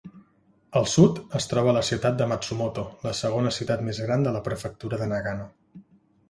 Al sud, es troba la ciutat de Matsumoto, la segona ciutat més gran de la prefectura de Nagano.